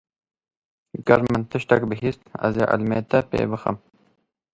Ger min tiştek bihîst, ez ê ilmê te pê bixim.